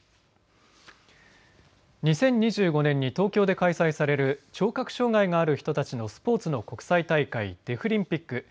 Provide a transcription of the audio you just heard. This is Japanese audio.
２０２５年に東京で開催される聴覚障害がある人たちのスポーツの国際大会デフリンピック。